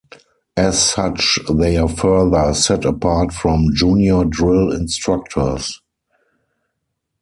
As such, they are further set apart from "junior" Drill Instructors.